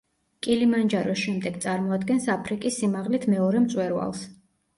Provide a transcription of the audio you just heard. კილიმანჯაროს შემდეგ წარმოადგენს აფრიკის სიმაღლით მეორე მწვერვალს.